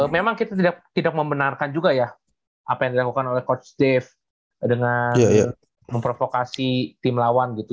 memang kita tidak membenarkan juga ya apa yang dilakukan oleh coach dave dengan memprovokasi tim lawan gitu